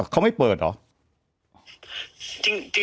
เขาไม่เปิดเหรอ